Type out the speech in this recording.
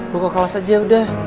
lu gak kalah saja udah